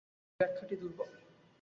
এ ব্যাখ্যাটি দুর্বল।